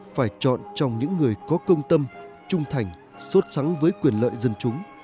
phải chọn trong những người có công tâm trung thành xuất sẵn với quyền lợi dân chúng